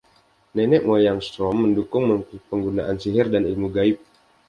Nenek moyang Storm mendukung penggunaan sihir dan ilmu gaib.